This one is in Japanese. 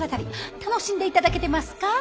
楽しんで頂けてますか？